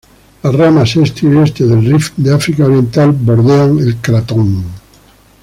Las ramas este y oeste del rift de África Oriental bordean el cratón.